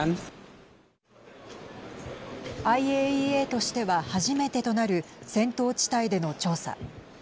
ＩＡＥＡとしては初めてとなる戦闘地帯での調査。